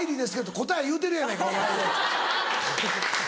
「答え言うてるやないかお前」。